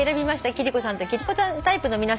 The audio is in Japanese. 貴理子さんと貴理子さんタイプの皆さん